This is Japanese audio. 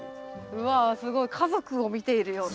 うわすごい家族を見ているような。